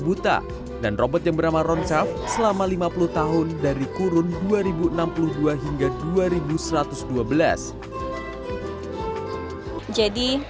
buta dan robot yang bernama ronsaf selama lima puluh tahun dari kurun dua ribu enam puluh dua hingga dua ribu satu ratus dua belas jadi